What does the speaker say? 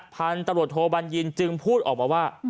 พันธบทบัญญินตร์จึงพูดออกมาว่า